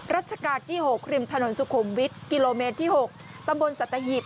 รัชกาลที่๖ริมถนนสุขุมวิทย์กิโลเมตรที่๖ตำบลสัตหิบ